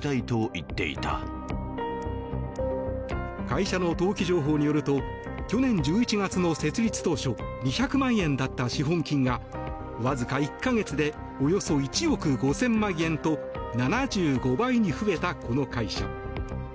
会社の登記情報によると去年１１月の設立当初２００万円だった資本金がわずか１か月でおよそ１億５０００万円と７５倍に増えたこの会社。